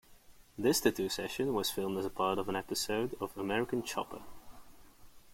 This tattoo session was filmed as part of an episode of "American Chopper".